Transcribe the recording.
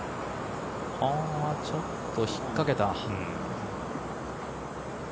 ちょっと引っかけた。